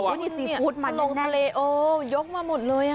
อุ๊ยนี่สีฟุตมันแน่โอ้โหยกมาหมดเลย